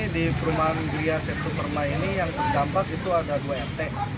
di perumahan glias itu pernah ini yang terdampak itu ada dua rt